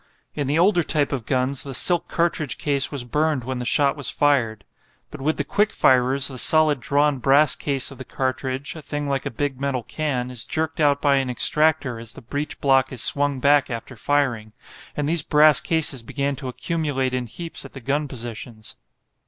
In the older type of guns the silk cartridge case was burned when the shot was fired. But with the quick firers the solid drawn brass case of the cartridge, a thing like a big metal can, is jerked out by an extractor as the breech block is swung back after firing, and these brass cases began to accumulate in heaps at the gun positions.